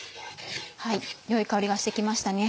良い香りがして来ましたね。